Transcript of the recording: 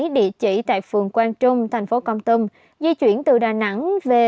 địa chỉ tại phường quang trung thành phố công tâm di chuyển từ đà nẵng về